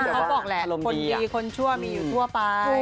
เขาบอกแหละคนดีคนชั่วมีอยู่ทั่วไป